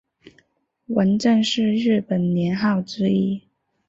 文正是日本年号之一。